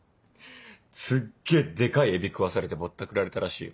すっげぇデカいエビ食わされてぼったくられたらしいよ。